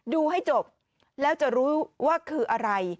ดูให้จบแล้วจะรู้ว่าคืออะไร